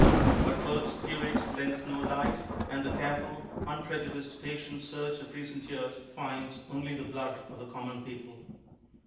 But Burke's "Peerage" lends no light, and the careful, unprejudiced, patient search of recent years finds only the blood of the common people.